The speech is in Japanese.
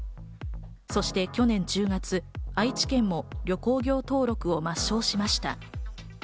そして去年１０月、愛知県も旅行業登録を抹消しました。